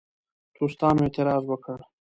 دوستانو اعتراض وکړ.